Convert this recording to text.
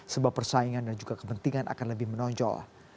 sebab persaingan dan juga kepentingan akan lebih menonjol